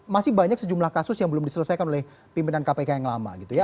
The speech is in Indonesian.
masih banyak sejumlah kasus yang belum diselesaikan oleh pimpinan kpk yang lama gitu ya